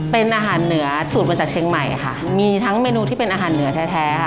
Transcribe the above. เป็นอาหารเหนือสูตรมาจากเชียงใหม่ค่ะมีทั้งเมนูที่เป็นอาหารเหนือแท้แท้ค่ะ